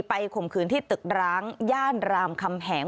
ข่มขืนที่ตึกร้างย่านรามคำแหง